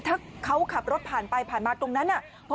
ถ้าเขาขับรถผ่านไปผ่านมาตรงนั้นน่ะ